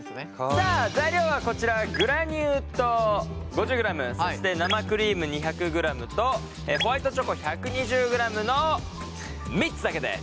さあ材料はこちらグラニュー糖５０ｇそして生クリーム２００ｇとホワイトチョコ１２０ｇの３つだけです。